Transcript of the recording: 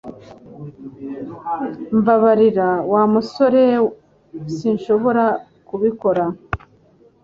Mbabarira Wa musore sinshobora kubikora